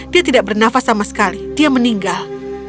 dia tidak bernafas sama sekali dia meninggal